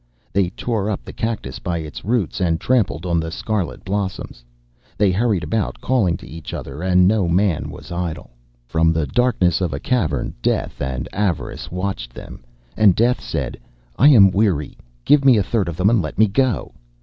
They tore up the cactus by its roots, and trampled on the scarlet blossoms. They hurried about, calling to each other, and no man was idle. From the darkness of a cavern Death and Avarice watched them, and Death said, 'I am weary; give me a third of them and let me go.